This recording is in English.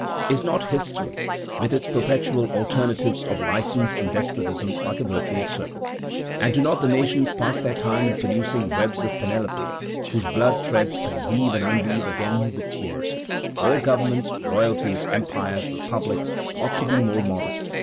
Is not history, with its perpetual alternatives of license and despotism, like a vicious circle? And do not the nations pass their time in producing webs of Penelope, whose bloody threads they weave and unweave again with tears? All governments, royalties, empires, republics, ought to be more modest.